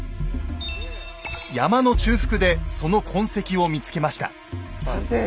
山の中腹でその痕跡を見つけました。